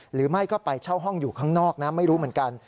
หรือไม่ก็ไปเช่าห้องอยู่ข้างนอกนะไม่รู้เหมือนกัน